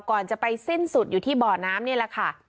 ก่อนจะไปสิ้นสุดอยู่ที่บ่อน้ำนี่แหละค่ะ